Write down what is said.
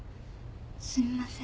すみません。